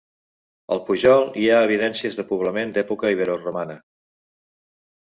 Al pujol hi ha evidències de poblament d'època iberoromana.